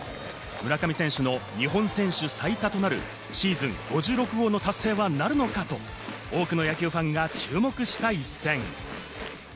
村上選手の日本選手最多となるシーズン５６号の達成はなるのかと、多くの野球ファンが注目した一戦。